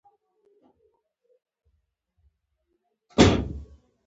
• د پښتو نومونو تلفظ خوږ دی.